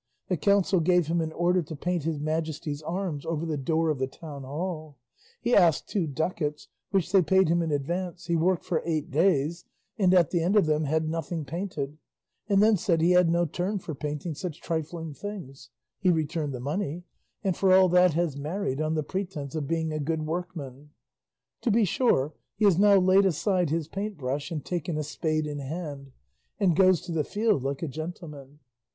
The council gave him an order to paint his Majesty's arms over the door of the town hall; he asked two ducats, which they paid him in advance; he worked for eight days, and at the end of them had nothing painted, and then said he had no turn for painting such trifling things; he returned the money, and for all that has married on the pretence of being a good workman; to be sure he has now laid aside his paint brush and taken a spade in hand, and goes to the field like a gentleman.